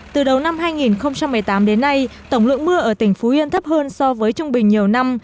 từ đầu năm hai nghìn một mươi tám đến nay tổng lượng mưa ở tỉnh phú yên thấp hơn so với trung bình nhiều năm